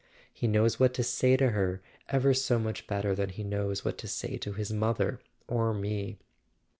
He knows what to say to her ever so much better than he knows what to say to his mother or me."